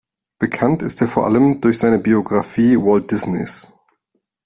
Bekannt ist er vor allem durch seine Biografie Walt Disneys.